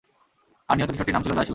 আর নিহত কিশোরটির নাম ছিল জায়সূর।